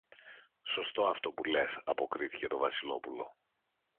Σωστό αυτό που λες, αποκρίθηκε το Βασιλόπουλο.